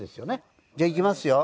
じゃあいきますよ。